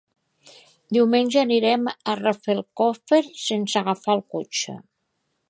Diumenge anirem a Rafelcofer sense agafar el cotxe.